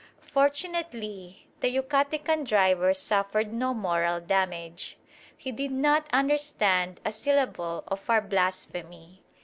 Fortunately the Yucatecan driver suffered no moral damage. He did not understand a syllable of our blasphemy.